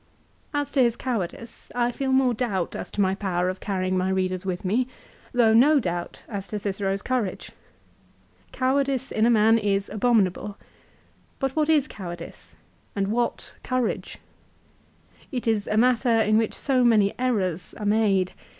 As to his cowardice I feel more doubt as to my power of carrying my readers with me, though no doubt as to Cicero's courage. Cowardice in a man is abominable. But what is cowardice ? and what courage ? It is a matter 'in which so many errors are made